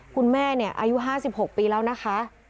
คุณแม่อายุ๕๖ปีแล้วนะคะ